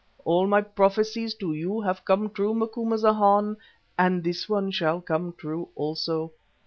All my prophecies to you have come true, Macumazahn, and this one shall come true also.